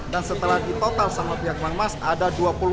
dan setelah ditotal sama pihak bank mas ada dua puluh tiga